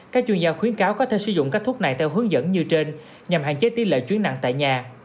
các chuyên gia khuyến cáo có thể sử dụng các thuốc này theo hướng dẫn như trên nhằm hạn chế tỷ lệ chuyến nặng tại nhà